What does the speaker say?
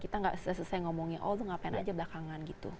kita nggak selesai selesai ngomongin oh lu ngapain aja belakangan gitu